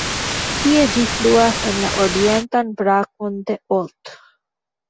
Tie ĝi fluas en la orientan brakon de Olt.